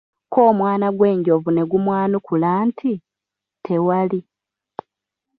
K'omwana gw'enjovu ne gumwanukula nti, tewali!